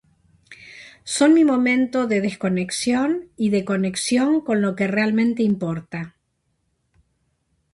Son mi momento de desconexión y de conexión con lo que realmente importa.